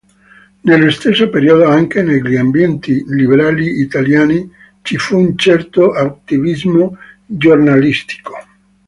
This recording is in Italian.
Nello stesso periodo, anche negli ambienti liberali italiani ci fu un certo attivismo giornalistico.